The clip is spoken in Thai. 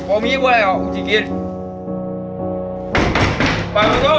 โปรมิตว่าอะไรหรอกอุจิเกียจ